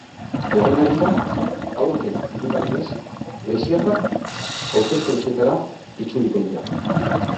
Horren harira, aurten hirugarrenez, greziarrak hautetsontzietara itzuliko dira.